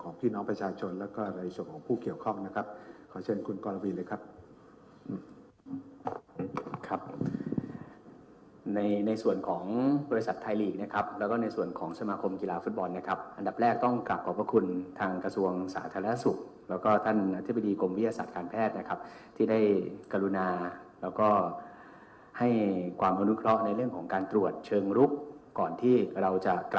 กับในส่วนของพี่น้องประชาชนและก็ในส่วนของผู้เขียวข้องนะครับขอเชิญคุณกอลลาวีเลยครับในส่วนของบริษัทไทยหลีกนะครับแล้วก็ในส่วนของสมาคมกีฬาฟุตบอลนะครับอันดับแรกต้องกลับขอบคุณทางกระทรวงสาธารณสุขแล้วก็ท่านอธิบดีกรมวิทยาศาสตร์การแพทย์นะครับที่ได้กรุณาแล้วก็ให้คว